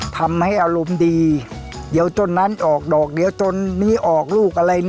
ทำให้อารมณ์ดีเดี๋ยวต้นนั้นออกดอกเดี๋ยวจนนี้ออกลูกอะไร